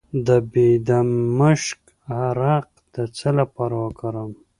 د بیدمشک عرق د څه لپاره وکاروم؟